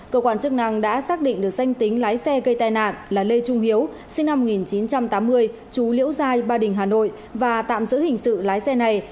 cơ quan chức năng đã xác định được danh tính lái xe gây tai nạn là lê trung hiếu sinh năm một nghìn chín trăm tám mươi chú liễu giai ba đình hà nội và tạm giữ hình sự lái xe này